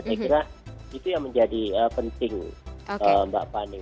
saya kira itu yang menjadi penting mbak fani